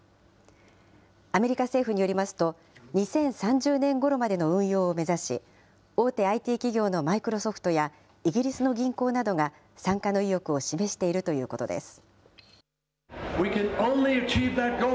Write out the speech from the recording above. アメリカ政府によりますと、２０３０年ごろまでの運用を目指し、大手ＩＴ企業のマイクロソフトや、イギリスの銀行などが参加の意欲を示しているということです。